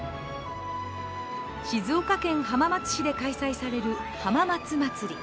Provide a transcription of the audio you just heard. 静岡県浜松市で開催される浜松まつり。